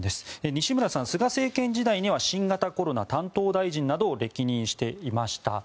西村さん、菅政権時代には新型コロナ担当大臣などを歴任していました。